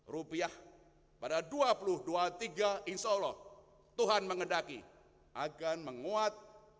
rupiah pada dua ribu dua puluh tiga insya allah tuhan mengedaki agar menguat